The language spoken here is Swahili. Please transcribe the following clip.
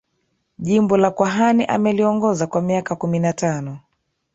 Jimbo la Kwahani ameliongoza kwa miaka kumi na tano